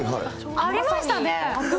ありましたね。